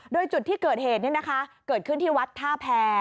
โดยจุดที่เกิดเหตุเกิดขึ้นที่วัดท่าแพร